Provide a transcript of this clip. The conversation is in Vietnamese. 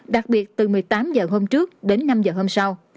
đặc biệt từ một mươi tám h hôm trước đến năm h hôm sau